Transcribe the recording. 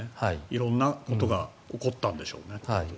色んなことが起こったんでしょうね。